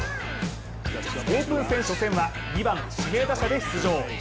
オープン戦初戦は２番・指名打者で出場。